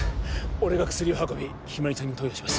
俺が薬を運び日葵ちゃんに投与します